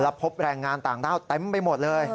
พบแรงงานต่างด้าวเต็มไปหมดเลย